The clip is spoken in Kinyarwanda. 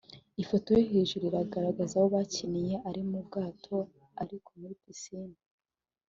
Ifoto yo hejuru igaragaza aho bakiniye ari mu bwato ariko muri piscine